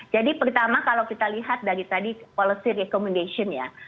jadi pertama kalau kita lihat dari tadi policy recommendation ya